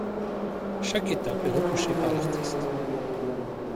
Chaque étape est retouchée par l‘artiste.